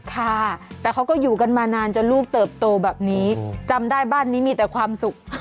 ค่ะแต่เขาก็อยู่กันมานานจนลูกเติบโตแบบนี้จำได้บ้านนี้มีแต่ความสุข